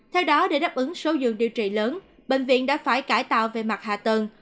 theo đó để đáp ứng số giường điều trị lớn bệnh viện đã phải cải tạo về mặt hạ tầng